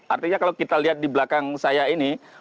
artinya kalau kita lihat di belakang saya ini